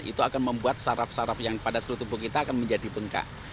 itu akan membuat saraf saraf yang pada seluruh tubuh kita akan menjadi bengkak